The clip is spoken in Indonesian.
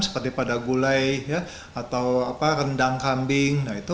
seperti pada gulai atau rendang kambing